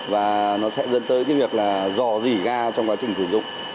và nó sẽ dẫn tới cái việc là dò dỉ ga trong quá trình sử dụng